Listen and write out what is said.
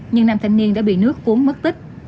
nhưng nam thanh niên đã bị nước cuốn mất tích